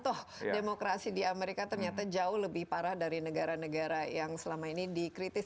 toh demokrasi di amerika ternyata jauh lebih parah dari negara negara yang selama ini dikritis